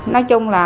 nói chung là